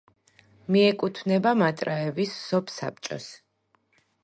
მიეკუთვნება მატრაევის სოფსაბჭოს.